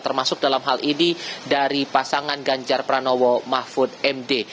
termasuk dalam hal ini dari pasangan ganjar pranowo mahfud md